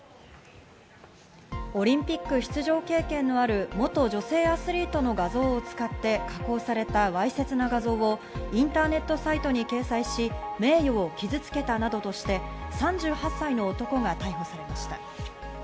オリンピック出場経験のある元女性アスリートの画像を使って、加工されたわいせつな画像をインターネットサイトに掲載し、名誉を傷つけたなどとして、３８歳の男が逮捕されました。